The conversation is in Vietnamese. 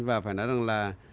và phải nói rằng là